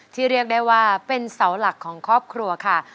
เรียกได้ว่าเป็นเสาหลักของครอบครัวค่ะ